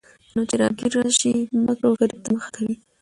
نو چې راګېره شي، مکر وفرېب ته مخه کوي.